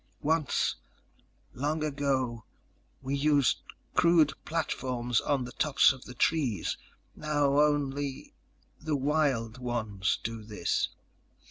Once—long ago—we used crude platforms on the tops of the trees. Now ... only the ... wild ones do this."